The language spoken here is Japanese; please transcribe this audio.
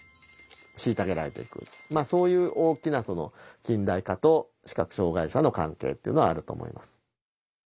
そういう大きな近代化と視覚障害者の関係っていうのはあると思います。